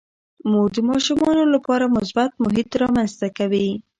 مور د ماشومانو لپاره مثبت محیط رامنځته کوي.